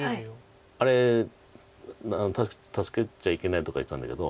あれ助けちゃいけないとか言ってたんだけど。